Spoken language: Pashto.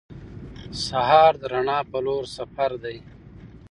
سهار د رڼا په لور سفر دی.